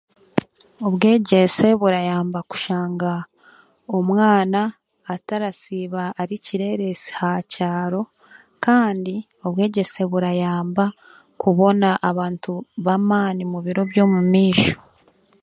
Obwegyese burayamba kushanga omwana atarasiiba ari kireereesi ha kyaro kandi obwegyese burayamba kubona abantu b'amaani mu biro by'omu maisho.